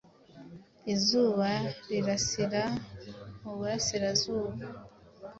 Izuba rirasira mu burasirazuba,